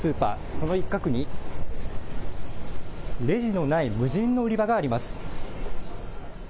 その一角にレジのない無人の売り場があります。